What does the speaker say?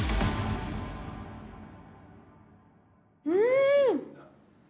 うん！